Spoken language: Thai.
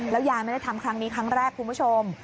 ยายไม่ได้ทำครั้งนี้ครั้งแรกคุณผู้ชม